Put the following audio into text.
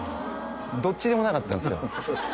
どっちでもなかったんですよ